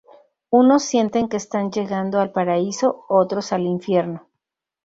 Unos sienten que están llegando al paraíso, otros al infierno.